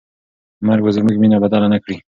مرګ به زموږ مینه بدله نه کړي.